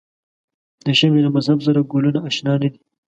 د شمعې له مذهب سره ګلونه آشنا نه دي.